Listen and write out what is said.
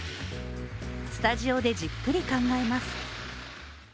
スタジオでじっくり考えます。